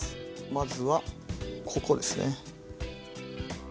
まずはここですね。